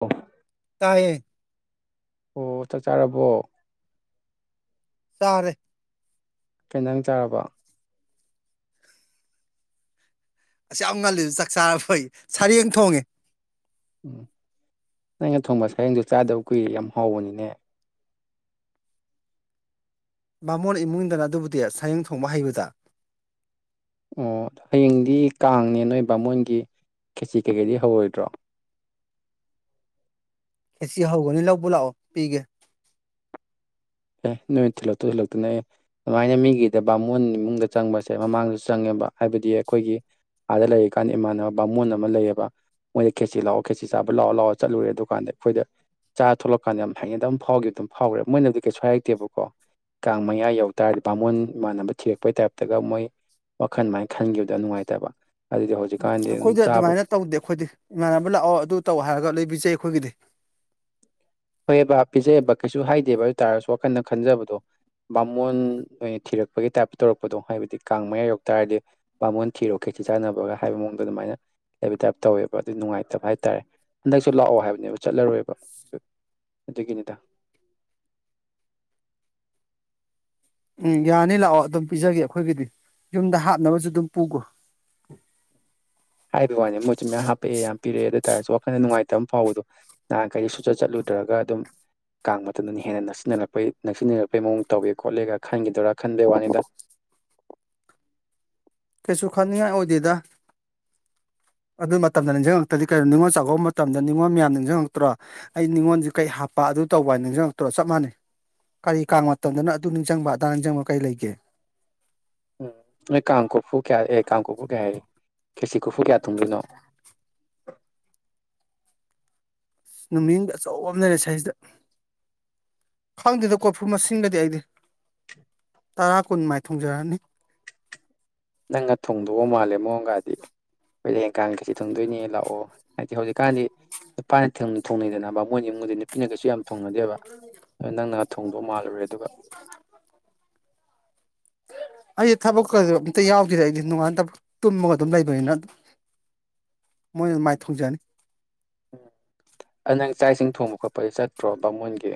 ꯑꯣ ꯇꯥꯏꯌꯦ ꯑꯣ ꯆꯥꯛ ꯆꯥꯔꯕꯣ ꯁꯥꯔꯦ ꯀꯩꯅ ꯅꯪ ꯆꯥꯔꯕ ꯑꯁ ꯌꯥꯝ ꯉꯜꯂꯤꯗꯨ ꯆꯥꯛ ꯆꯥꯔ ꯐꯩ ꯁꯔꯦꯡ ꯊꯣꯡꯉꯦ ꯎꯝ ꯅꯪꯩꯅ ꯊꯣꯡꯕ ꯁꯔꯦꯡꯗꯨ ꯆꯥꯗꯕ ꯀꯨꯏꯦ ꯌꯥꯝ ꯍꯥꯎꯕꯅꯤꯅꯦ ꯕꯥꯃꯣꯟ ꯏꯃꯨꯡ ꯏꯗꯅ ꯑꯗꯨꯕꯨꯗꯤ ꯁꯌꯦꯡ ꯊꯣꯡꯕ ꯍꯩꯕꯗ ꯑꯣ ꯍꯌꯦꯡꯗꯤ ꯀꯥꯡꯅꯦ ꯅꯣꯏ ꯕꯥ ꯃꯣꯏꯒꯤ ꯈꯦꯆꯤ ꯀꯩꯀꯩꯗꯤ ꯍꯧꯔꯣꯏꯗ꯭ꯔꯣ ꯀꯦꯁꯤ ꯍꯧꯒꯅꯤ ꯂꯧꯕ ꯂꯥꯛꯑꯣ ꯄꯤꯒꯦ ꯑꯦ ꯅꯨꯃꯤꯠ ꯊꯤꯜꯂꯛꯇꯨ ꯊꯤꯜꯂꯛꯇꯨꯅ ꯑꯦ ꯑꯗꯨꯃꯥꯏꯅ ꯃꯤꯒꯤꯗ ꯕꯥꯃꯣꯟ ꯏꯃꯨꯡꯗ ꯆꯪꯕꯁꯦ ꯃꯃꯥꯡꯗꯁꯨ ꯆꯪꯉꯦꯕ ꯍꯥꯏꯕꯗꯤ ꯑꯩꯈꯣꯏꯒꯤ ꯑꯥꯗ ꯂꯩꯔꯤꯀꯥꯟꯗ ꯏꯃꯥꯟꯅꯕ ꯕꯥꯃꯣꯟ ꯑꯃ ꯂꯩꯌꯦꯕ ꯃꯣꯏꯅ ꯈꯦꯠꯆ ꯂꯥꯛꯑꯣ ꯈꯦꯆꯦ ꯆꯥꯕ ꯂꯥꯛꯑꯣ ꯂꯥꯛꯑꯣ ꯆꯠꯂꯨꯔꯦ ꯑꯗꯨꯀꯥꯟꯗ ꯑꯩꯈꯣꯏꯗ ꯆꯥ ꯊꯂꯛꯀꯥꯟꯗ ꯌꯥꯝ ꯍꯥꯏꯅꯗ ꯑꯗꯨꯝ ꯐꯥꯎꯈꯤꯕ ꯑꯗꯨꯝ ꯐꯥꯎꯈꯦ ꯃꯣꯏꯅꯗꯤ ꯀꯩꯁꯨ ꯍꯥꯏꯔꯛꯇꯦꯕꯀꯣ ꯀꯥꯡ ꯃꯌꯥ ꯌꯧ ꯇꯥꯔꯗꯤ ꯕꯥꯃꯣꯟ ꯏꯃꯥꯟꯅꯕ ꯊꯤꯔꯛꯄꯩ ꯇꯥꯏꯞꯇꯒ ꯃꯣꯏ ꯋꯥꯈꯟꯃꯥꯏꯅ ꯈꯟꯈꯤꯕꯗꯣ ꯅꯨꯡꯉꯥꯏꯇꯕ ꯑꯗꯨꯗꯤ ꯍꯧꯖꯤꯛꯀꯥꯟꯗꯤ ꯑꯗꯨꯝ ꯑꯩꯈꯣꯏꯗꯤ ꯆꯥꯕ ꯑꯗꯨꯃꯥꯏꯅ ꯇꯧꯗꯦ ꯑꯩꯈꯣꯏꯗꯤ ꯏꯃꯥꯟꯅꯕ ꯂꯥꯛꯑꯣ ꯑꯗꯨ ꯇꯧ ꯍꯥꯏꯔꯒ ꯂꯩꯕꯤꯖꯩ ꯑꯩꯈꯣꯏꯒꯤꯗꯤ ꯐꯣꯏꯑꯦꯕꯕꯥ ꯄꯤꯖꯩꯑꯕ ꯀꯩꯁꯨ ꯍꯥꯏꯗꯦꯕ ꯑꯗꯨ ꯇꯥꯔꯁꯨ ꯋꯥꯈꯜꯟꯅ ꯈꯟꯖꯕꯗꯣ ꯕꯥꯃꯣꯟ ꯑꯣꯏꯅ ꯊꯤꯔꯛꯄꯒꯤ ꯇꯥꯏꯞꯇ ꯇꯧꯔꯛꯄꯗꯣ ꯍꯥꯏꯕꯗꯤ ꯀꯥꯡ ꯃꯌꯥ ꯌꯧꯛꯇꯔꯗꯤ ꯄꯥꯃꯣꯟ ꯊꯤꯔꯣ ꯈ ꯀꯩꯆꯠ ꯆꯥꯟꯅꯕꯒ ꯍꯥꯏꯕ ꯃꯑꯣꯡꯗ ꯑꯗꯨꯃꯥꯏꯅ ꯂꯩꯕ ꯇꯥꯏꯞ ꯇꯧꯋꯦꯕ ꯑꯗꯨ ꯅꯨꯡꯉꯥꯏꯇꯕ ꯍꯥꯏꯇꯥꯔꯦ ꯍꯟꯗꯛꯁꯨ ꯂꯥꯛꯑꯣ ꯍꯥꯏꯕꯅꯦꯕ ꯆꯠꯂꯔꯣꯏꯦꯕ ꯑꯗꯨꯒꯤꯅꯤꯗ ꯎꯝ ꯌꯥꯅꯤ ꯂꯥꯛꯑꯣ ꯑꯗꯨꯝ ꯄꯤꯖꯒꯦ ꯑꯩꯈꯣꯏꯒꯤꯗꯤ ꯌꯨꯝꯗ ꯍꯥꯞꯅꯕꯁꯨ ꯑꯗꯨꯝ ꯄꯨꯈꯣ ꯍꯥꯏꯕ ꯋꯥꯅꯤ ꯃꯣꯏꯁꯨ ꯃꯌꯥꯝ ꯍꯥꯄꯛꯑꯦ ꯌꯥꯝ ꯄꯤꯔꯛꯑꯦ ꯑꯗꯨ ꯑꯣꯏꯇꯥꯔꯁꯨ ꯋꯥꯈꯜ ꯅꯨꯡꯉꯥꯏꯇꯕ ꯐꯥꯎꯕꯗꯣ ꯅꯍꯥꯟꯈꯩ ꯁꯨꯆꯠ ꯆꯠꯂꯨꯗ꯭ꯔꯒ ꯑꯗꯨꯝ ꯀꯥꯡ ꯃꯇꯝꯗꯅ ꯍꯦꯟꯅ ꯅꯛꯁꯤꯟꯅꯔꯛꯄꯩ ꯅꯛꯁꯤꯟꯅꯔꯛꯄꯩ ꯃꯑꯣꯡ ꯇꯧꯋꯦ ꯈꯣꯠꯂꯦꯒ ꯈꯟꯈꯤꯗꯣꯏꯔꯥ ꯈꯟꯕꯩ ꯋꯥꯅꯤꯗ ꯀꯩꯁꯨ ꯈꯟꯅꯤꯡꯉꯥꯏ ꯑꯣꯏꯗꯦꯗ ꯑꯗꯨ ꯃꯇꯝꯗ ꯅꯤꯡꯖꯪꯉꯛꯇ꯭ꯔꯗꯤ ꯀꯩꯅꯣ ꯅꯤꯡꯉꯣꯜꯆꯥꯛꯀꯧꯕ ꯃꯇꯝꯗ ꯅꯤꯡꯉꯣꯜ ꯃꯌꯥꯝ ꯅꯤꯡꯁꯤꯡꯉꯛꯇ꯭ꯔꯣ ꯑꯩ ꯅꯤꯡꯉꯣꯟꯖꯤ ꯀꯩ ꯍꯥꯞꯄ ꯑꯗꯨ ꯇꯧꯕ ꯍꯥꯏ ꯅꯤꯡꯁꯤꯡꯉꯛꯇꯔꯣ ꯆꯞ ꯃꯥꯟꯅꯩ ꯀꯔꯤ ꯀꯥꯡ ꯃꯇꯝꯗꯅ ꯑꯗꯨ ꯅꯤꯡꯖꯪꯕ ꯑꯗꯥ ꯅꯤꯡꯖꯪꯕ ꯀꯔꯤ ꯂꯩꯒꯦ ꯎꯝ ꯅꯣꯏ ꯀꯥꯡ ꯀꯐꯨ ꯀꯌꯥ ꯑꯦ ꯀꯥꯡ ꯀꯐꯨ ꯀꯌꯥ ꯍꯥꯏ ꯈꯦꯆꯤ ꯀꯣꯔꯐꯨ ꯀꯌꯥ ꯊꯣꯡꯗꯣꯏꯅꯣ ꯅꯨꯃꯤꯠꯌꯨꯡꯕꯤ ꯑꯆꯧꯕ ꯑꯃ ꯂꯩꯔꯦ ꯁꯩꯁꯤꯗ ꯈꯪꯗꯦꯗ ꯀꯣꯔꯐꯨ ꯃꯁꯤꯡꯒꯗꯤ ꯑꯩꯗꯤ ꯇꯔꯥ ꯀꯨꯟ ꯃꯥꯏ ꯊꯣꯡꯖꯔꯛꯑꯅꯤ ꯅꯪꯅ ꯊꯣꯡꯗꯧꯒ ꯃꯥꯜꯂꯦ ꯃꯑꯣꯡꯒꯥꯗꯤ ꯑꯩꯈꯣꯏꯗꯤ ꯍꯌꯦꯡ ꯀꯥꯡ ꯈꯦꯆꯤ ꯊꯣꯡꯗꯣꯏꯅꯦ ꯂꯥꯛꯑꯣ ꯍꯥꯏꯗꯤ ꯍꯧꯖꯤꯛꯀꯥꯟꯗꯤ ꯅꯨꯄꯥꯅ ꯊꯣꯡ ꯊꯣꯡꯅꯩꯗꯅ ꯕꯥꯃꯣꯟ ꯌꯨꯝꯒꯗꯤ ꯅꯨꯄꯤꯅ ꯀꯩꯁꯨ ꯌꯥꯝ ꯊꯣꯡꯅꯗꯦꯕ ꯑꯗꯨ ꯅꯪꯅ ꯊꯣꯡꯗꯧ ꯃꯥꯜꯂꯨꯔ [inaudible] [inaudible] ꯑꯩꯗꯤ ꯊꯕꯛꯀ ꯑꯝꯇ ꯌꯥꯎꯗꯦꯗ ꯑꯩꯗꯤ ꯅꯣꯡꯉꯥꯟꯕꯗꯩ ꯅꯨꯃꯤꯠ ꯇꯥꯕꯧ ꯇꯨꯝꯃꯒ ꯑꯗꯨꯝ ꯂꯩꯕꯅꯤꯅ ꯃꯣꯏꯅ ꯑꯗꯨ ꯃꯥꯏ ꯊꯣꯡꯖꯅꯤ ꯎꯝ ꯑꯗꯣ ꯅꯪ ꯆꯥꯛ ꯏꯁꯤꯡ ꯊꯣꯡꯕ ꯈꯣꯠꯄꯗꯤ ꯆꯠꯇ꯭ꯔꯣ ꯕꯥꯃꯣꯟꯒꯤ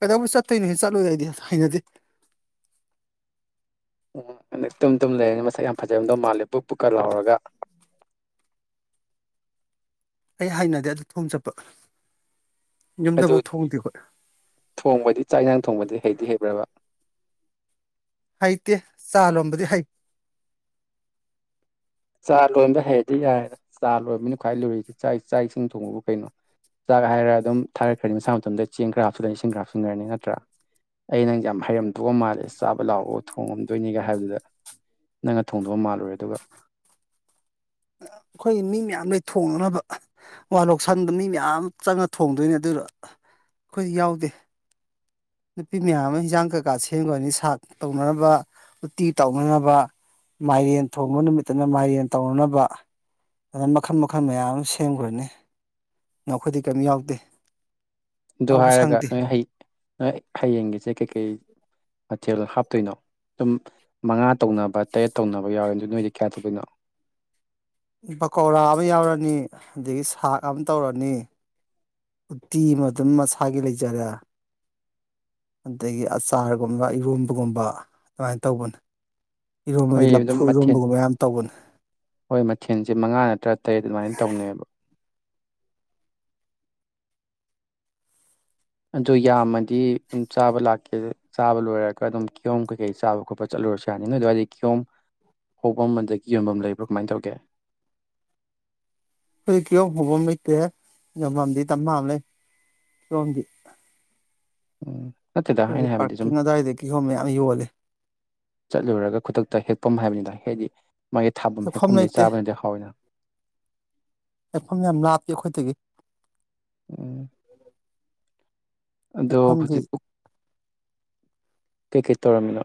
ꯀꯩꯗꯧꯕꯩ ꯆꯠꯇꯣꯏꯅꯣ ꯍꯦ ꯆꯠꯂꯣꯏ ꯑꯩꯗꯤ ꯍꯩꯅꯗꯦ ꯎ ꯇꯨꯝ ꯇꯨꯝ ꯂꯩꯔꯅꯤ ꯃꯁꯛ ꯌꯥꯝ ꯐꯖꯔꯝꯗꯧ ꯃꯥꯜꯂꯦ ꯕꯨꯞ ꯕꯨꯞꯀ ꯂ ꯂꯥꯎꯔꯒ ꯑꯩ ꯍꯥꯏꯅꯗꯦ ꯑꯗꯨ ꯊꯣꯡ ꯆꯠꯄ ꯑꯗꯨ ꯌꯨꯝꯗꯐꯧ ꯊꯣꯡꯗꯦꯈꯣꯏ ꯊꯣꯡꯕꯗꯤ ꯆꯥꯛ ꯏꯟꯁꯥꯡ ꯊꯣꯡꯕꯗꯤ ꯍꯩꯗꯤ ꯍꯩꯕ꯭ꯔꯥꯕ ꯍꯩꯇꯦ ꯆꯥ ꯂꯣꯝꯕꯗꯤ ꯍꯩ ꯆꯥ ꯂꯣꯟꯕ ꯍꯩꯔꯗꯤ ꯌꯥꯔꯦꯗ ꯆꯥ ꯂꯣꯟꯕꯅꯤ ꯈ꯭ꯋꯥꯏ ꯂꯨꯔꯤꯁꯦ ꯆꯥꯛ ꯏꯁꯤꯡ ꯊꯣꯡꯕꯕꯨ ꯀꯩꯅꯣ ꯆꯥꯛ ꯍꯥꯏꯔꯒ ꯑꯗꯨꯝ ꯊꯥꯒꯠꯈ꯭ꯔꯅꯤ ꯃꯁꯥ ꯃꯇꯣꯝꯗ ꯆꯦꯡ ꯈꯔ ꯍꯥꯞꯆꯤꯜꯂꯅꯤ ꯏꯁꯤꯡ ꯈꯔ ꯍꯥꯞꯆꯤꯟꯂꯅꯤ ꯅꯠꯇ꯭ꯔꯥ ꯑꯩ ꯅꯪꯁꯦ ꯌꯥꯝ ꯍꯩꯔꯝꯗꯧꯒ ꯃꯥꯜꯂꯦ ꯆꯥꯕ ꯂꯥꯛꯑꯣ ꯊꯣꯡꯉꯝꯗꯣꯏꯅꯤꯒ ꯍꯥꯏꯕꯗꯨꯗ ꯅꯪꯅ ꯊꯣꯡꯗꯧ ꯃꯥꯜꯂꯨꯔꯦ ꯑꯗꯨꯒ ꯑꯩꯈꯣꯏꯒꯤ ꯃꯤ ꯃꯌꯥꯝ ꯂꯩ ꯊꯣꯡꯅꯅꯕ ꯋꯥꯔꯣꯛꯁꯪꯗ ꯃꯤ ꯃꯌꯥꯝ ꯆꯪꯉ ꯊꯣꯡꯗꯣꯏꯅꯦ ꯑꯗꯨꯗ ꯑꯩꯈꯣꯏꯗꯤ ꯌꯥꯎꯗꯦ ꯅꯨꯄꯤ ꯃꯌꯥꯝ ꯑꯃ ꯍꯤꯟꯖꯥꯡ ꯀꯩꯀꯥ ꯁꯦꯝꯒ꯭ꯔꯅꯤ ꯁꯥꯛ ꯇꯧꯅꯅꯕ ꯎꯇꯤ ꯇꯧꯅꯅꯕ ꯃꯥꯏꯔꯦꯟ ꯊꯣꯡꯕ ꯅꯨꯃꯤꯠꯇꯅ ꯃꯥꯏꯔꯦꯟ ꯇꯧꯅꯅꯕ ꯑꯗꯨꯅ ꯃꯈꯜ ꯃꯈꯜ ꯃꯌꯥꯝ ꯑꯃ ꯁꯦꯝꯒ꯭ꯔꯅꯤ ꯅ ꯑꯩꯈꯣꯏꯗꯤ ꯀꯔꯤꯝ ꯌꯥꯎꯗꯦ ꯑꯗꯨ ꯌꯥꯎꯕ ꯍꯥꯏꯔꯒ ꯁꯪꯗꯦ ꯅꯣꯏ ꯍꯩ ꯅꯣꯡ ꯍꯌꯦꯡꯒꯤꯁꯦ ꯀꯩꯀꯩ ꯃꯊꯦꯜ ꯍꯥꯞꯇꯣꯏꯅꯣ ꯑꯗꯨꯝ ꯃꯉꯥ ꯇꯧꯅꯕ ꯇꯔꯦꯠ ꯇꯧꯅꯕ ꯌꯥꯎꯋꯤ ꯑꯗꯨ ꯅꯣꯏꯗꯤ ꯀꯌꯥ ꯇꯧꯗꯣꯏꯅꯣ ꯄꯀꯧꯔꯥ ꯑꯃ ꯌꯥꯎꯔꯅꯤ ꯑꯗꯒꯤ ꯁꯥꯥꯛ ꯑꯃ ꯇꯧꯔꯅꯤ ꯎꯇꯤ ꯑꯃ ꯑꯗꯨꯝ ꯃꯁꯥꯒꯤ ꯂꯩꯖꯔꯦ ꯑꯗꯒꯤ ꯑꯆꯥꯔꯒꯨꯝꯕ ꯏꯔꯣꯝꯕꯒꯨꯝꯕ ꯑꯗꯨꯃꯥꯏꯅ ꯇꯧꯕꯅꯦ ꯍꯣꯏ ꯏꯔꯣꯟꯕꯗꯤ ꯑꯗꯨꯝ ꯂꯐꯨ ꯃꯊꯦꯜ ꯏꯔꯣꯟꯕꯒꯨꯝꯕ ꯌꯥꯝ ꯇꯧꯕꯅꯦ ꯍꯣꯏ ꯃꯊꯦꯜꯁꯦ ꯃꯉꯥ ꯅꯠꯇ꯭ꯔꯥ ꯇꯔꯦꯠ ꯑꯗꯨꯃꯥꯏꯅ ꯇꯧꯅꯩꯕ ꯑꯣ ꯌꯥꯝꯃꯗꯤ ꯑꯗꯨꯝ ꯆꯥꯕ ꯂꯥꯛꯀꯦ ꯑꯗꯨ ꯆꯥꯕ ꯂꯣꯏꯔꯒ ꯑꯗꯨꯝ ꯀꯤꯌꯣꯝ ꯀꯩꯀꯩ ꯆꯥꯕ ꯈꯣꯠꯄ ꯆꯠꯂꯨꯔꯁꯨ ꯌꯥꯅꯤ ꯅꯣꯏ ꯑꯗꯨꯋꯥꯏꯗꯤ ꯀꯤꯍꯣꯝ ꯍꯧꯐꯝ ꯑꯗꯒꯤ ꯌꯣꯟꯐꯝ ꯂꯩꯕ꯭ꯔꯥ ꯀꯃꯥꯏꯅ ꯇꯧꯒꯦ ꯑꯩꯈꯣꯢꯗꯤ ꯀꯤꯍꯣꯝ ꯍꯧꯕꯝ ꯂꯩꯇꯦ ꯌꯣꯟꯐꯝꯗꯤ ꯗꯃꯥ ꯑꯃ ꯂꯩ ꯀꯤꯍꯣꯝꯗꯤ ꯎꯝ ꯅꯠꯇꯦꯗ ꯑꯩꯅ ꯑꯩꯈꯣꯏꯒꯤ ꯍꯥꯏꯕꯗꯤ ꯁꯨꯝ ꯄꯥꯔꯀꯤꯡ ꯑꯗꯨꯋꯥꯏꯗ ꯀꯤꯍꯣꯝ ꯃꯌꯥꯝ ꯌꯣꯂꯤ ꯆꯠꯂꯨꯔꯒ ꯈꯨꯗꯛꯇ ꯍꯦꯛꯐꯝ ꯍꯥꯏꯕꯅꯤꯗ ꯍꯥꯏꯗꯤ ꯃꯥꯒꯤ ꯊꯥꯐꯝ ꯂꯩꯐꯝ ꯍꯦꯛꯐꯝꯗꯒꯤ ꯂꯩꯇꯦ ꯆꯥꯕꯅꯗꯤ ꯍꯥꯎꯋꯤꯅ ꯍꯦꯛꯐꯝ ꯌꯥꯝ ꯂꯥꯞꯄꯤ ꯑꯩꯈꯣꯏꯗꯒꯤ ꯎꯝ ꯑꯗꯣ ꯂꯩꯐꯝꯗꯤ ꯍꯧꯖꯤꯛꯄꯨ ꯀꯩꯀꯩ ꯇꯧꯔꯝꯃꯤꯅꯣ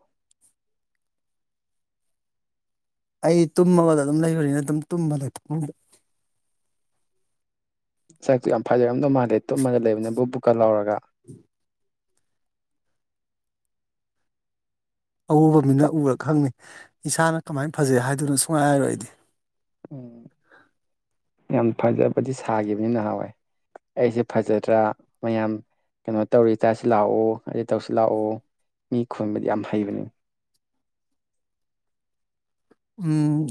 ꯑꯩ ꯇꯨꯝꯃꯒꯗ ꯑꯗꯨꯝ ꯂꯩꯕꯅꯤꯅ ꯑꯗꯨꯝ ꯇꯨꯝꯕꯅꯦ ꯇꯨꯝꯕ ꯁꯥꯛꯇꯤ ꯌꯥꯝ ꯐꯖꯔꯝꯗꯧ ꯃꯥꯜꯂꯦ ꯇꯨꯝꯃꯒꯗ ꯂꯩꯕꯅꯤꯅ ꯕꯨꯞ ꯕꯨꯞꯀ ꯂꯧꯔꯒ [inaudible] ꯑꯎꯕ ꯃꯤꯅ ꯎꯔ ꯈꯪꯅꯤ ꯏꯁꯥꯅ ꯀꯃꯥꯏꯅ ꯐꯖꯩ ꯍꯥꯏꯗꯣꯢꯅꯣ ꯁꯨꯡꯍꯥꯏ ꯍꯥꯏꯔꯣꯏ ꯑꯩꯗꯤ ꯎꯝ ꯌꯥꯝ ꯐꯖꯕꯗꯤ ꯁꯥꯈꯤꯕꯅꯤ ꯅꯍꯥꯟꯋꯥꯏ ꯑꯩꯁꯦ ꯐꯖꯗ꯭ꯔꯥ ꯃꯌꯥꯝ ꯀꯩꯅꯣ ꯇꯧꯔꯤ ꯏꯇꯥꯁꯤ ꯂꯥꯛꯑꯣ ꯑꯗ ꯇꯧꯔꯁꯤ ꯂꯥꯛꯑꯣ ꯃꯤ ꯈꯣꯏꯟꯕꯗꯤ ꯌꯥꯝ ꯍꯩꯕꯅꯤ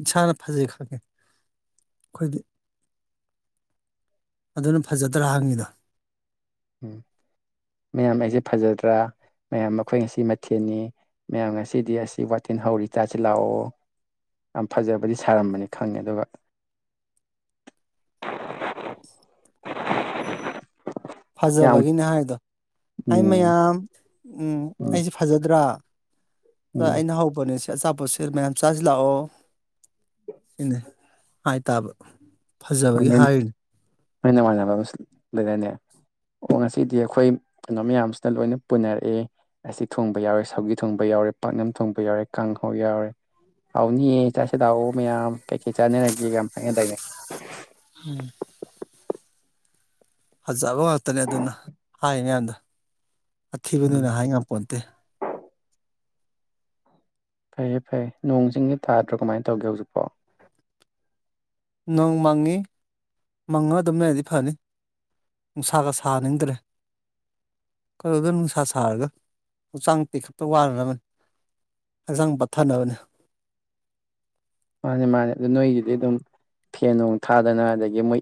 ꯏꯁꯥꯅ ꯐꯖꯩ ꯈꯪꯉꯦ ꯑꯩꯈꯣꯏꯗꯤ ꯑꯗꯨꯅ ꯐꯖꯗ꯭ꯔꯥ ꯍꯪꯉꯤꯗꯣ ꯎꯝ ꯃꯌꯥꯝ ꯑꯩꯁꯦ ꯐꯖꯗ꯭ꯔꯥ ꯃꯌꯥꯝ ꯃꯈꯣꯏ ꯉꯁꯤ ꯃꯊꯦꯜꯅꯤ ꯃꯌꯥꯝ ꯉꯁꯤꯗꯤ ꯑꯁꯤ ꯋꯥꯇꯤꯟ ꯍꯧꯔꯤ ꯇꯥꯁꯤ ꯂꯥꯛꯑꯣ ꯌꯥꯝ ꯐꯖꯕꯗꯤ ꯁꯥꯔꯝꯕꯅꯤ ꯈꯪꯉꯦ ꯑꯗꯨꯒ [inaudible] ꯌꯥꯝ ꯐꯖꯕꯒꯤꯅꯦ ꯍꯥꯏꯗꯣ ꯍꯥꯏ ꯎꯝ ꯃꯌꯥꯝ ꯎ ꯎꯝ ꯑꯩꯁꯦ ꯐꯖꯗ꯭ꯔꯥ ꯎꯝ ꯑꯩꯅ ꯍꯕꯅꯤ ꯑꯆꯥꯄꯣꯠꯁꯤ ꯃꯌꯥꯝ ꯆꯥꯁꯤꯂꯥꯛꯑꯣ ꯁꯤꯅꯦ ꯍꯥꯏꯇꯥꯕ ꯐꯖꯕꯒꯤ ꯍꯥꯏꯔꯤꯅꯤ ꯃ ꯃꯥꯂ ꯂꯩ ꯑꯣ ꯉꯁꯤꯗꯤ ꯑꯩꯈꯣꯏ ꯀꯩꯅꯣ ꯃꯌꯥꯝꯁꯤꯅ ꯂꯣꯏꯅ ꯄꯨꯅꯔꯛꯑꯦ ꯑꯁꯤ ꯊꯣꯡꯕ ꯌꯥꯎꯔꯦ ꯁꯥꯎꯒꯤ ꯊꯣꯡꯕ ꯌꯥꯎꯔꯦ ꯄꯥꯛꯅꯝ ꯊꯣꯡꯕ ꯌꯥꯎꯔꯦ ꯀꯥꯡꯍꯧ ꯌꯥꯎꯔꯦ ꯍꯥꯎꯅꯤꯌꯦ ꯆꯥꯁꯤꯦꯗꯥꯥꯛꯑꯣ ꯃꯌꯥꯝ ꯀꯩꯀꯩꯠ ꯆꯥꯅꯔꯒꯦ ꯀ ꯍꯥꯏꯅꯗꯅꯦ ꯎꯝ ꯐꯖꯕ ꯉꯥꯛꯇꯅꯦ ꯑꯗꯨꯅ ꯍꯥꯏꯉꯗꯣ ꯑꯀꯤꯕꯅꯤꯅ ꯎꯝ ꯍꯥꯏ ꯉꯥꯏꯥꯛ ꯄꯣꯟꯇꯦ ꯐꯩꯌꯦ ꯐꯩꯌꯦ ꯅꯣꯡ ꯆꯤꯡꯒꯤ ꯊꯥꯗ꯭ꯔꯣ ꯀꯃꯥꯏꯅ ꯇꯧꯒꯦ ꯍꯧꯖꯤꯛꯐꯣ ꯅꯣꯡ ꯃꯪꯉꯤ ꯃꯪꯉꯣ ꯑꯗꯨꯝ ꯂꯩꯔꯗꯤ ꯐꯅꯤ ꯅꯨꯡꯁꯥꯒ ꯁꯥꯅꯤꯡꯗ꯭ꯔꯦ ꯀꯩꯅꯣꯗ ꯅꯨꯡꯁꯥ ꯁꯥꯔꯒ ꯍꯛꯆꯥꯡꯇꯤ ꯈꯛꯇ ꯋꯥꯅꯔꯝꯅꯤ ꯍꯛꯆꯥꯡ ꯄꯠꯊꯥꯅꯕꯅꯦ ꯃꯥꯅꯦ ꯃꯥꯅꯦ ꯑꯗꯨ ꯅꯣꯏꯒꯤꯗꯤ ꯑꯗꯨꯝ ꯐꯦꯟ ꯅꯨꯡ ꯊꯥꯗꯅ ꯑꯗꯒꯤ ꯃꯣꯏ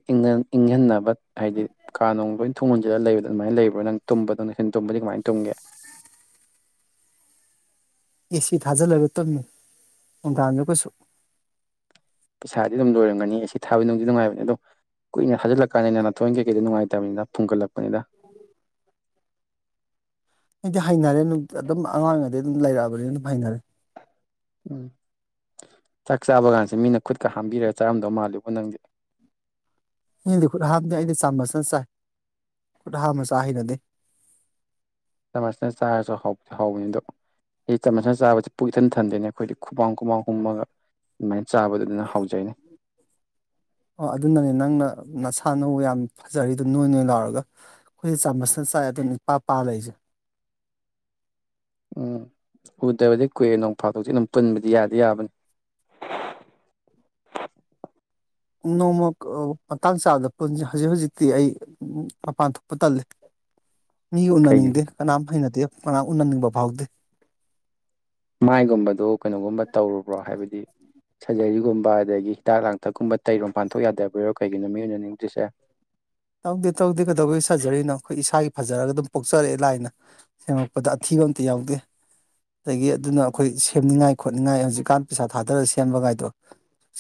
ꯏꯪꯍꯟꯅꯕ ꯍꯥꯏꯗꯤ ꯀꯥ ꯅꯅꯨꯡ ꯂꯣꯏ ꯊꯣꯡꯒꯣꯟꯁꯤꯜꯂ ꯂꯩꯕꯗꯣ ꯑꯗꯨꯃꯥꯏꯅ ꯂꯩꯕ꯭ꯔꯥ ꯅꯪ ꯇꯨꯝꯕꯗꯣ ꯅꯆꯤꯟ ꯇꯨꯝꯕꯗꯤ ꯀꯃꯥꯏꯅ ꯇꯨꯝꯒꯦ ꯑꯦꯁꯤ ꯊꯥꯖꯤꯜꯂꯒ ꯇꯝꯃꯤ ꯟꯒꯥꯥꯡꯗ ꯀꯩꯁꯨ ꯄꯩꯁꯥꯗꯤ ꯑꯗꯨꯝ ꯂꯣꯏꯔꯝꯒꯅꯤ ꯑꯁꯤ ꯊꯥꯕꯗꯅꯨꯡꯗꯤ ꯅꯨꯡꯉꯥꯏꯕꯅꯦ ꯑꯗꯣ ꯀꯨꯏꯅ ꯊꯖꯤꯜꯂꯀꯅꯤꯅ ꯅꯅꯥꯊꯣꯏ ꯀꯩꯀꯩꯗ ꯅꯨꯡꯉꯥꯏꯇꯕꯅꯤꯅ ꯐꯨꯡꯒꯠꯂꯛꯄꯅꯤꯅ ꯑꯩꯗꯤ ꯍꯩꯅꯔꯦ ꯑꯗꯨꯝ ꯑꯉꯥꯡꯉꯗꯤ ꯑꯗꯨꯝ ꯂꯩꯔꯛꯑꯕꯅꯤꯅ ꯑꯗꯨꯝ ꯍꯩꯅꯔꯦ ꯎꯝ ꯆꯥꯛ ꯆꯥꯕ ꯀꯥꯟꯁꯦ ꯃꯤꯅ ꯈꯨꯠꯀ ꯍꯥꯝꯕꯤꯔꯒ ꯆꯥꯔꯝꯗꯧ ꯃꯥꯜꯂꯦꯕꯣ ꯅꯪꯗꯤ ꯃꯤꯗꯤ ꯈꯨꯠ ꯍꯥꯝꯗꯤꯦ ꯑꯩꯗꯤ ꯆꯥꯝꯃꯁꯅ ꯆꯥꯏ ꯈꯨꯠ ꯍꯥꯝꯃ ꯆꯥ ꯍꯔꯗꯤꯦ ꯆꯃꯅ ꯆꯥꯔꯁꯨ ꯍ ꯍꯧꯕꯅꯤ ꯑꯗꯨꯣ ꯑꯩ ꯇꯝ ꯃꯁꯅ ꯆꯥꯕꯁꯤ ꯄꯨꯛ ꯏꯊꯟ ꯊꯟꯗꯣꯏꯅꯦ ꯑꯩꯈꯣꯏꯗꯤ ꯈꯨꯃꯥꯡ ꯈꯨꯃꯥꯡ ꯍꯨꯝꯃꯒ ꯑꯗꯨꯃꯥꯏꯅ ꯆꯥꯕꯗꯨ ꯑꯗꯨꯅ ꯍꯥꯎꯖꯩꯅꯤ ꯑꯣ ꯑꯗꯨꯅꯅꯦ ꯅꯪꯅ ꯅꯁꯥꯅꯧ ꯌꯥꯝ ꯐꯖꯔꯤꯗꯣ ꯅꯣꯏ ꯅꯣꯏ ꯂꯥꯎꯔꯒ ꯑꯩꯈꯣꯏꯦ ꯆꯥꯃꯁꯅ ꯆꯥꯏ ꯑꯗꯨ ꯅꯤꯄꯥ ꯄꯥ ꯂꯩꯔꯤꯁꯦ ꯎꯝ ꯎꯗꯕꯗꯤ ꯀꯨꯏꯑꯦ ꯅꯣꯡꯐꯗꯣꯛꯖꯤ ꯑꯗꯨꯝ ꯄꯨꯟꯕꯗꯤ ꯌꯥꯗꯤ ꯌꯥꯕꯅꯤ ꯅꯣꯡꯃ ꯃꯇꯥꯡ ꯆꯥꯗ ꯄꯨꯟꯁꯤ ꯍꯧꯖꯤꯛ ꯍꯧꯖꯤꯛꯇꯤ ꯑꯩ ꯃꯄꯥꯟ ꯊꯣꯛꯄ ꯇꯜꯂꯤ [inaudible] ꯃꯤ ꯎꯅꯅꯤꯡꯗꯦ ꯀꯅꯥꯝ ꯍꯩꯅꯗꯦ ꯀꯅꯥ ꯎꯅꯅꯤꯡꯕ ꯐꯥꯎꯗꯦ ꯃꯥꯏꯒꯨꯝꯕꯗꯣ ꯀꯩꯅꯣꯒꯨꯝꯕ ꯇꯧꯔꯨꯕ꯭ꯔꯣ ꯍꯥꯏꯕꯗꯤ ꯁꯔꯖꯔꯤꯒꯨꯝꯕ ꯑꯗꯒꯤ ꯍꯤꯗꯥꯛ ꯂꯥꯡꯊꯛꯀꯨꯝꯕ ꯇꯩꯔꯣꯝ ꯄꯥꯟꯊꯣꯛ ꯌꯥꯗꯕ ꯑꯣꯏꯔꯣ ꯀꯩꯒꯤꯅꯣ ꯃꯤ ꯑꯣꯏꯅ ꯅꯤꯡꯕꯗꯨꯁꯦ ꯇꯧꯗꯦ ꯇꯧꯗꯦ ꯀꯩꯗꯧꯕꯒꯤ ꯁꯔꯖꯔꯤꯅꯣ ꯑꯩꯈꯣꯏ ꯏꯁꯥꯒꯤ ꯐꯖꯔꯒ ꯑꯗꯨꯝ ꯄꯣꯛꯆꯔꯛꯑꯦ ꯂꯥꯏꯅ ꯁꯦꯝꯃꯛꯄꯗ ꯑꯊꯤꯕ ꯑꯝꯇ ꯌꯥꯎꯗꯦ ꯑꯗꯒꯤ ꯑꯗꯨꯅ ꯑꯩꯈꯣꯏ ꯁꯦꯝꯅꯤꯡꯉꯥꯏ ꯈꯣꯠꯅꯤꯡꯉꯥꯏ ꯍꯧꯖꯤꯛꯀꯥꯟ ꯄꯩꯁꯥ ꯊꯥꯗꯔꯒ ꯁꯦꯝꯕꯒꯥꯏꯗꯣ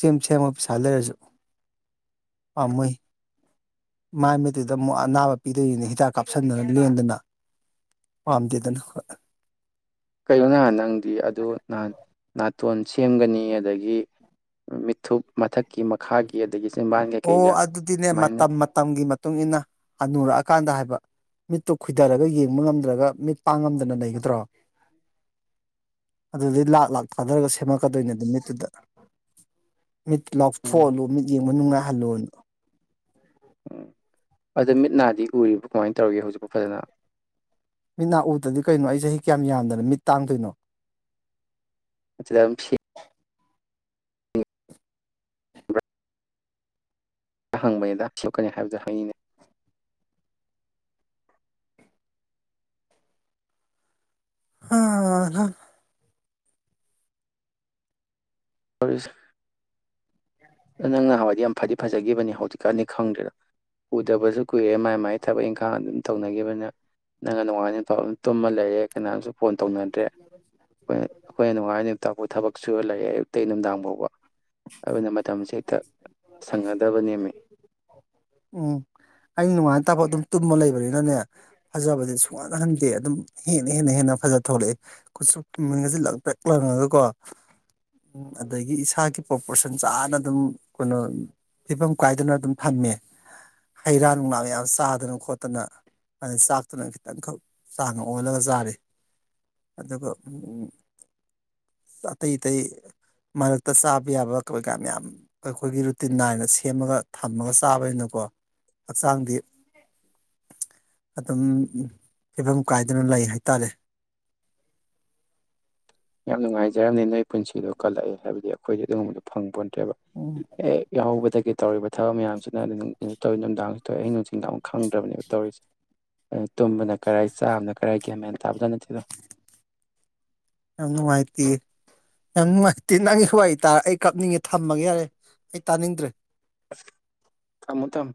ꯁꯦꯝ ꯁꯦꯝꯃ ꯁꯥ ꯂꯩꯔꯁꯨ ꯄꯥꯝꯃꯣꯏ ꯃꯥꯏ ꯃꯩꯇꯩꯗ ꯑꯃꯨꯛ ꯑꯅꯥꯕ ꯄꯤꯗꯣꯏꯅꯤ ꯍꯤꯗꯥꯛ ꯀꯥꯞꯁꯤꯟꯗꯅ ꯂꯦꯟꯗꯅ ꯄꯥꯝꯗꯦꯗꯅ ꯍꯣꯏ ꯀꯩꯅꯣ ꯅꯍꯥꯟ ꯅꯪꯗꯤ ꯑꯗꯨ ꯅꯍꯥꯟ ꯅꯥ- ꯇꯣꯟ ꯁꯦꯝꯒꯅꯤ ꯑꯗꯒꯤ ꯃꯤꯠꯊꯨꯞ ꯃꯊꯛꯀꯤ ꯃꯥ- ꯈꯥꯒꯤ ꯑꯗꯒꯤ ꯆꯤꯟꯕꯥꯟ ꯀꯩ ꯀꯩꯒꯥ ꯗꯃꯥꯏꯅ ꯇꯝꯒꯤ ꯃꯇꯨꯡ ꯏꯟꯅ ꯍꯅꯨꯔꯛꯑꯀꯥꯟꯗ ꯍꯥꯏꯕ ꯃꯤꯠꯇꯣ ꯈꯨꯏꯗꯔꯒ ꯌꯦꯡꯕ ꯉꯝꯗ꯭ꯔꯒ ꯃꯤꯠ ꯄꯥꯡ ꯉꯝꯗꯅ ꯂꯩꯒꯗ꯭ꯔꯣ ꯑꯗꯨꯗꯩ ꯂꯥꯛ ꯂꯥꯛ ꯊꯥꯗꯔꯒ ꯁꯦꯝꯃꯛꯀꯗꯣꯏꯅꯦ ꯑꯗꯨ ꯃꯤꯠꯇꯨꯗ ꯃꯤꯠ ꯎꯝ ꯂꯥꯎꯊꯣꯛꯍꯜꯂꯨ ꯃꯤꯠ ꯌꯦꯡꯕ ꯅꯨꯡꯉꯥꯏꯍꯜꯂꯣꯅ ꯎꯝ ꯑꯗꯣ ꯃꯤꯠ ꯅꯥꯗꯤ ꯎꯔꯤꯕꯣ ꯀꯃꯥꯏꯅ ꯇꯧꯔꯒꯦ ꯍꯧꯖꯤꯛꯄꯨ ꯐꯖꯅ ꯃꯤꯠ ꯅꯥ ꯎꯗ꯭ꯔꯗꯤ ꯀꯩꯅꯣ ꯑꯩ ꯆꯍꯤ ꯀꯌꯥꯝ ꯌꯥꯝꯗꯅ ꯃꯤꯠ ꯇꯥꯡꯗꯣꯏꯅꯣ [unintelligible] ꯍꯪꯕꯅꯤꯗꯥ ꯁꯣꯛꯀꯅꯤ ꯍꯥꯏꯕꯗꯨꯣ ꯍꯥꯏꯉꯤꯅꯦ [unintelligible] [unintelligible] ꯅꯪ ꯅꯍꯋꯥꯏꯗꯤ ꯌꯥꯝ ꯐꯗꯤ ꯐꯖꯒꯤꯈꯤꯕꯅꯦ ꯍꯧꯖꯤꯛꯀꯥꯟꯗ ꯈꯪꯗ꯭ꯔꯦꯗ ꯎꯗꯕꯁꯨ ꯀꯨꯏꯔꯦ ꯃꯥꯏ ꯃꯥꯏ ꯊꯕꯛ ꯏꯪꯈꯥꯡ ꯑꯗꯨꯝ ꯇꯧꯅꯈꯤꯕꯅ ꯅꯪꯅ ꯅꯣꯡꯉꯥꯟꯗꯩ ꯅꯨꯃꯤꯠꯇꯕꯥꯐꯥꯎ ꯇꯨꯝꯃ ꯂꯩꯔꯦ ꯀꯅꯥꯝꯁꯨ ꯐꯣꯟ ꯇꯧꯅꯗ꯭ꯔꯦ ꯑꯩꯈꯣꯏ- ꯑꯩꯈꯣꯏꯅ ꯅꯣꯡꯉꯥꯟꯕꯗꯩ ꯅꯨꯃꯤꯠꯇꯕꯐꯧ ꯊꯕꯛ ꯁꯨꯔ ꯂꯩꯔꯦ ꯑꯌꯨꯛꯇꯩ ꯅꯨꯡꯗꯥꯡ ꯐꯥꯎꯕ ꯑꯗꯨ ꯎꯝ ꯑꯩ ꯅꯣꯡꯉꯥꯟꯇꯥꯐꯧ ꯑꯗꯨꯝ ꯇꯨꯝꯃ ꯂꯩꯕꯅꯤꯅꯅꯦ ꯐꯖꯕꯁꯦ ꯁꯨꯛꯍꯟꯍꯟꯗꯦ ꯑꯗꯨꯝ ꯍꯦꯟꯅ ꯍꯦꯟꯅ ꯍꯦꯟꯅ ꯐꯖ ꯊꯣꯛꯂꯛꯑꯦ ꯈꯨꯠꯁꯨ ꯃꯨꯟꯅꯖꯤ ꯂꯪꯇ꯭ꯔꯤꯛ ꯂꯪꯉꯒꯀꯣ ꯎꯝ ꯑꯗꯒꯤ ꯏꯁꯥꯒꯤ ꯄꯣꯄꯔꯦꯁꯟ ꯆꯥꯅ ꯑꯗꯨꯝ ꯀꯩꯅꯣ ꯐꯤꯕꯝ ꯀꯥꯏꯗꯅ ꯑꯗꯨꯝ ꯊꯝꯃꯦ ꯍꯩ ꯔꯥ ꯅꯨꯡꯂꯥ ꯌꯥꯝ ꯆꯥꯗꯅ ꯈꯣꯠꯇꯅ ꯑꯗꯩ ꯆꯥꯛꯇꯨꯅ ꯈꯤꯇꯪꯈꯛ ꯆꯥꯡꯅ ꯑꯣꯜꯂꯒ ꯆꯥꯔꯦ ꯑꯗꯨꯒ ꯎꯝ ꯑꯇꯩ ꯑꯇꯩ ꯃꯔꯛꯇ ꯆꯥꯕ ꯌꯥꯕ ꯀꯩ ꯀꯥ ꯃꯌꯥꯝ ꯑꯩꯈꯣꯏꯒꯤ ꯔꯨꯇꯤꯟ ꯅꯥꯏꯅ ꯁꯦꯝꯃꯒ ꯊꯝꯃꯒ ꯆꯥꯕꯅꯤꯅꯀꯣ ꯍꯛꯆꯥꯡꯗꯤ ꯑꯗꯨꯝ ꯐꯤꯕꯝ ꯀꯥꯏꯗꯅ ꯂꯩ ꯍꯥꯏꯇꯥꯔꯦ ꯌꯥꯝ ꯅꯨꯡꯉꯥꯏꯖꯔꯝꯅꯤ ꯅꯣꯏ ꯄꯨꯟꯁꯤꯗꯣ ꯀꯜꯂꯛꯑꯦ ꯍꯥꯏꯕꯗꯤ ꯑꯩꯈꯣꯏꯗꯤ ꯑꯗꯨꯒꯨꯝꯕꯗꯣ ꯐꯪꯄꯣꯟꯇꯦꯕ ꯎꯝ ꯑꯦ ꯌꯥꯎꯧꯕꯗꯒꯤ ꯇꯧꯔꯤꯕ ꯊꯕꯛ ꯃꯌꯥꯝꯁꯤꯅ ꯅꯨꯡꯇꯤꯒꯤ ꯇꯧꯋꯦ ꯅꯨꯡꯗꯥꯡꯁꯨ ꯇꯧꯋꯦ ꯑꯍꯤꯡ ꯅꯨꯡꯆꯤꯟꯗꯥꯡ ꯑꯃꯨꯛ ꯈꯪꯗ꯭ꯔꯕꯅꯦꯕ ꯇꯧꯔꯤꯁꯦ ꯇꯨꯝꯕꯅ ꯀꯔꯥꯏ ꯆꯥꯕꯅ ꯀꯔꯥꯏ ꯒ꯭ꯌꯥꯟ ꯃꯦꯅ ꯇꯥꯕꯖꯥꯠ ꯅꯠꯇꯦꯗꯥ ꯌꯥꯝ ꯅꯨꯡꯉꯥꯏꯇꯦ ꯌꯥꯝ ꯅꯨꯡꯉꯥꯏꯇꯦ ꯅꯪꯒꯤ ꯋꯔꯤ ꯇꯥꯔ ꯑꯩ ꯀꯞꯅꯤꯡꯉꯦ ꯊꯝꯃꯒꯦ ꯌꯥꯔꯦ ꯑꯩ ꯇꯥꯅꯤꯡꯗ꯭ꯔꯦ ꯊꯝꯃꯨ ꯊꯝꯃꯨ